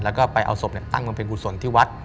แล้วก็ไปเอาศพตั้งบำเพ็ญกุศลที่วัด